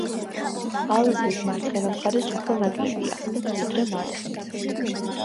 ალაზნის მარცხენა მხარეს უფრო ნაკლებია, ვიდრე მარჯვნივ.